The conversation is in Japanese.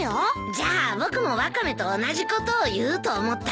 じゃあ僕もワカメと同じことを言うと思ったんだ。